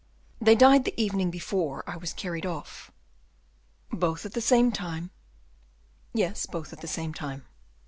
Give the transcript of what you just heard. "They died the evening before I was carried off." "Both at the same time?" "Yes, both at the same time."